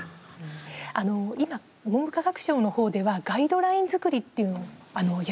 あの今文部科学省の方ではガイドライン作りっていうのをやってます。